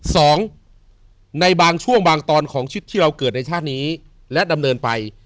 สองในบางช่วงบางตอนของชีวิตที่เราเกิดในชาตินี้และดำเนินไป